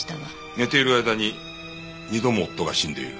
寝ている間に二度も夫が死んでいる。